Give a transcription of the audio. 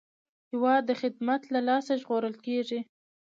هېواد د خدمت له لاسه ژغورل کېږي.